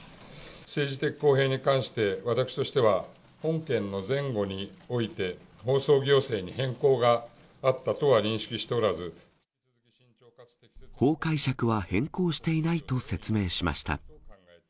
政治的公平に関して私としては、本件の前後において、放送行政に法解釈は変更していないと説明しました。